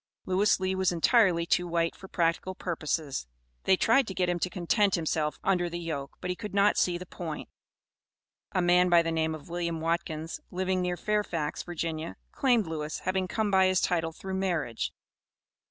Lewis Lee was entirely too white for practical purposes. They tried to get him to content himself under the yoke, but he could not see the point. A man by the name of William Watkins, living near Fairfax, Virginia, claimed Lewis, having come by his title through marriage.